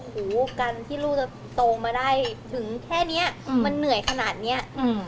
หูการที่ลูกจะโตมาได้ถึงแค่นี้มันเหนื่อยขนาดนี้